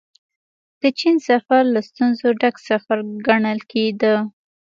د چين سفر له ستونزو ډک سفر ګڼل کېده.